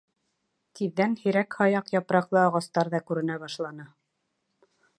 Тиҙҙән һирәк-һаяҡ япраҡлы ағастар ҙа күренә башланы.